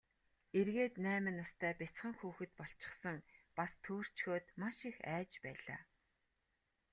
Эргээд найман настай бяцхан хүүхэд болчихсон, бас төөрчхөөд маш их айж байлаа.